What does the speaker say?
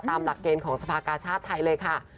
ตามหลักเกณฑ์ของสภากาชาติไทยเลยค่ะ